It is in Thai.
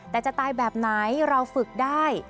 แต่จะตายแบบไหนเราฝึกได้